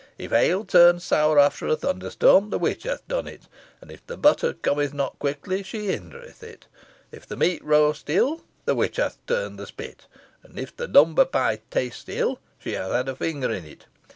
If ale turn sour after a thunder storm, the witch hath done it; and if the butter cometh not quickly, she hindereth it. If the meat roast ill the witch hath turned the spit; and if the lumber pie taste ill she hath had a finger in it.